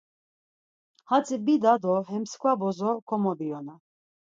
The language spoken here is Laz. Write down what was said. Hatzi bida do he mskva bozo komobiyona.